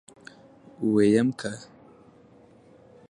ويم که.